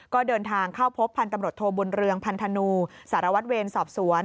ก็เดินทางเข้าพบพันธุ์ตำรวจโทบุญเรืองพันธนูสารวัตรเวรสอบสวน